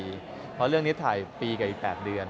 เพราะเรื่องนี้ถ่ายปีกับอีก๘เดือน